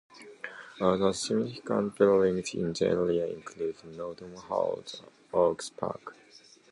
Other significant buildings in the area include Norton Hall and Oakes Park.